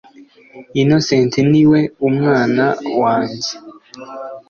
innocent ni umwna wa njye